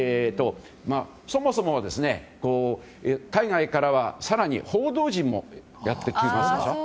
そもそも海外からは更に報道陣もやってきますでしょ。